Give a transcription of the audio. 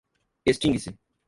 extingue-se